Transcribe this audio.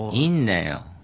いいんだよ